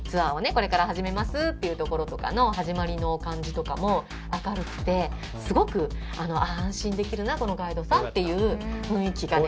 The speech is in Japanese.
これから始めますっていうところとかの始まりの感じとかも明るくてすごく「ああ安心できるなこのガイドさん」っていう雰囲気がね